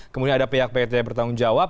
kemudian ada pihak pihak yang bertanggung jawab